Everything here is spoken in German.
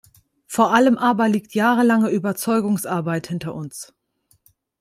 Vor allem aber liegt jahrelange Überzeugungsarbeit hinter uns.